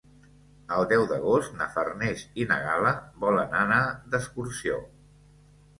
El deu d'agost na Farners i na Gal·la volen anar d'excursió.